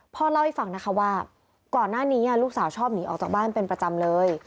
พ่อเล่าให้ฟังนะคะว่าก่อนหน้านี้ลูกสาวชอบหนีออกจากบ้านเป็นประจำเลย